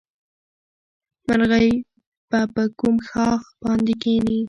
مرغۍ به په کوم ښاخ باندې کېني؟